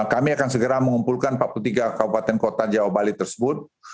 kami akan segera mengumpulkan empat puluh tiga kabupaten kota jawa bali tersebut